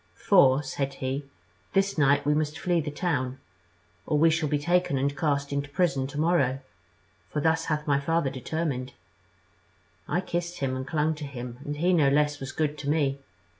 'For,' said he, 'this night we must flee the town, or we shall be taken and cast into prison to morrow; for thus hath my father determined.' I kissed him and clung to him, and he no less was good to me.